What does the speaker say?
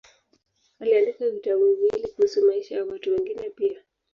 Aliandika vitabu viwili kuhusu maisha ya watu wengine pia.